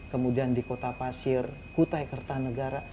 kemudian di kota pasir kutai kertanegara